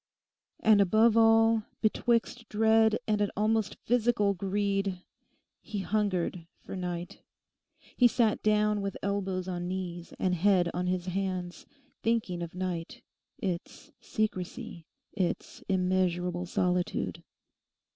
And above all, betwixt dread and an almost physical greed, he hungered for night. He sat down with elbows on knees and head on his hands, thinking of night, its secrecy, its immeasurable solitude.